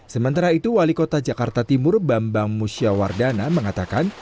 sementara itu wali kota jakarta timur bambang musyawardana mengatakan